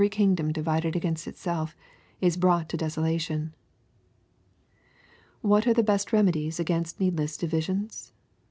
kingdom divided against itself is brought to desolation." What are the best remedies against needless divisions ?